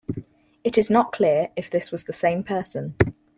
It is not clear if this was the same person.